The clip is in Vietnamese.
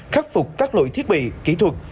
khắc phục các lỗi thiết bị kỹ thuật